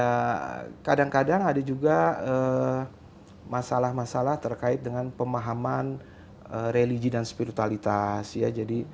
ya kadang kadang ada juga masalah masalah terkait dengan pemahaman religi dan spiritualitas ya